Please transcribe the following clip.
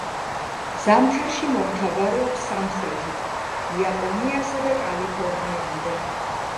ზამთარში მომთაბარეობს სამხრეთით, იაპონიასა და კალიფორნიამდე.